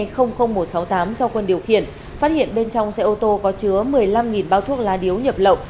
do quân điều khiển phát hiện bên trong xe ô tô có chứa một mươi năm bao thuốc lá điếu nhập lậu